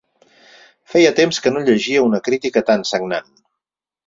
Feia temps que no llegia una crítica tan sagnant.